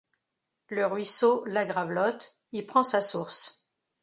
Le ruisseau la Gravelotte y prend sa source.